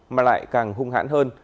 mà lại càng hung hãn hơn